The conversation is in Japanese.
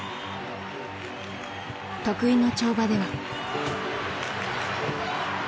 得意の跳馬では。